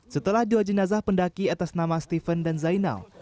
setelah dua jenazah pendaki atas nama stephen dan zainal